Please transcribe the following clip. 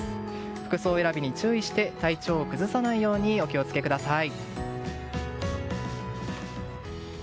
服装選びに注意して体調を崩さないようにお気を付けください。